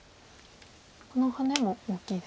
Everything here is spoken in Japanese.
このハネも大きいですか。